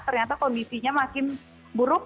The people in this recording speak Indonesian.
ternyata kondisinya makin buruk